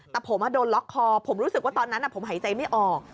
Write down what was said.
แต่ผมโดนล็อกคอผมรู้สึกว่าตอนนั้นผมหายใจไม่ออก